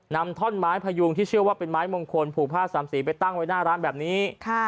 ท่อนไม้พยุงที่เชื่อว่าเป็นไม้มงคลผูกผ้าสามสีไปตั้งไว้หน้าร้านแบบนี้